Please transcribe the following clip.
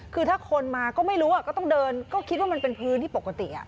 คือถ้าคนมาก็ไม่รู้ก็ต้องเดินก็คิดว่ามันเป็นพื้นที่ปกติ